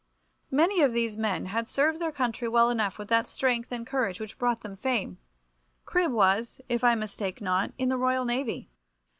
Many of these men had served their country well with that strength and courage which brought them fame. Cribb was, if I mistake not, in the Royal Navy.